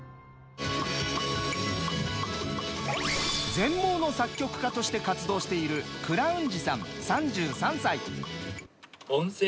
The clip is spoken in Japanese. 全盲の作曲家として活動しているクラウンジさん３３歳。